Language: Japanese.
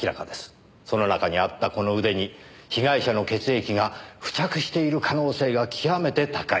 その中にあったこの腕に被害者の血液が付着している可能性が極めて高い。